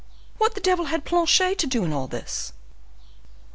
What the devil had Planchet to do in all this?"